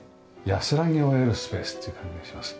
安らぎを得るスペースっていう感じがします。